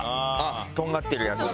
とんがってるやつだ。